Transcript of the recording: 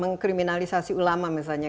mengkriminalisasi ulama misalnya